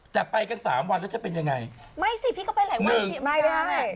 แต่ไปกันสามวันแล้วจะเป็นยังไงไม่สิพี่ก็ไปหลายวันสิไม่ได้